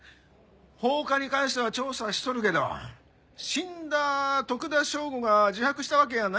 放火に関しては調査しとるけど死んだ徳田省吾が自白したわけやないんやろ。